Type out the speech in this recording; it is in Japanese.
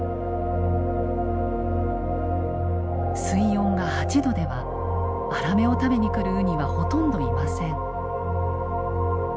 水温が８℃ではアラメを食べに来るウニはほとんどいません。